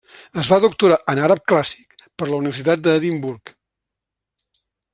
Es va doctorar en àrab clàssic per la Universitat d'Edimburg.